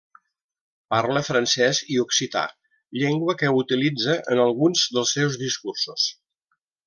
Parla francès i occità, llengua que utilitza en alguns dels seus discursos.